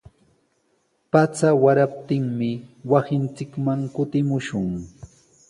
Pacha quyaptinmi wasinchikman kutimushun.